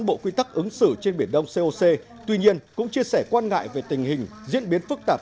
bộ quy tắc ứng xử trên biển đông coc tuy nhiên cũng chia sẻ quan ngại về tình hình diễn biến phức tạp